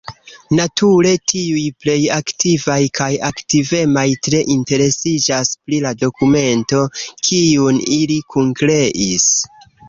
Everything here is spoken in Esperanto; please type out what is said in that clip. Nature tiuj plej aktivaj kaj aktivemaj tre interesiĝas pri la dokumento, kiun ili kunkreis.